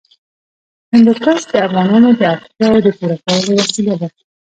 هندوکش د افغانانو د اړتیاوو د پوره کولو وسیله ده.